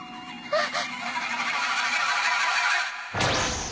あっ！